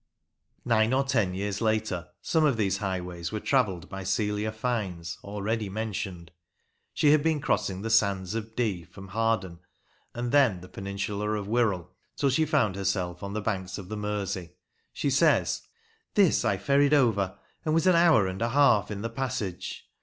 Nine or ten years later some of these highways were travelled by Celia Fiennes, already mentioned. She had been crossing the sands of Dee from Hawarden, and then the peninsula of Wirral, till she found herself on the banks of the Mersey. She says : This I ferried over, and was an hour and a half in the passage.